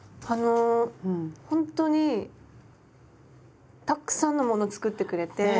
あのほんとにたっくさんのもの作ってくれて。